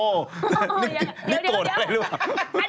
โอ้โหนี่โตนอะไรหรือเปล่า